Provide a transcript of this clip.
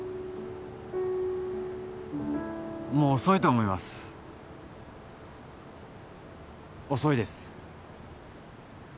もう遅いと思います遅いです